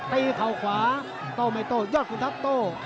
ตีเขาขวาโต้ไหมโต้ยอดคุณครับโต้